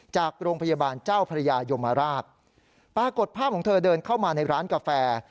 จากโรงพยาบาลเจ้าพระยายมราชปรากฏภาพของเธอเดินเข้ามาในร้านกาแฟ